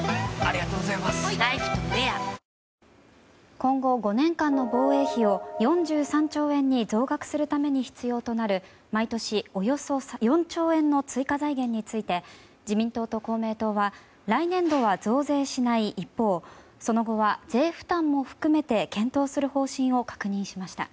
今後、５年間の防衛費を４３兆円に増額するために必要となる毎年およそ４兆円の追加財源について自民党と公明党は来年度は増税しない一方その後は税負担も含めて検討する方針を確認しました。